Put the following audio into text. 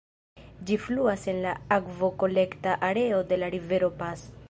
Ĝi fluas en la akvokolekta areo de la rivero Pas.